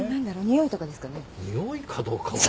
においかどうかは。